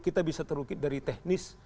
kita bisa terukit dari teknis